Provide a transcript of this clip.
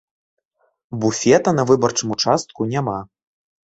Буфета на выбарчым участку няма.